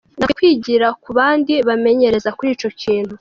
"Nkwiye kwigira ku bandi bamenyereza kuri ico kintu.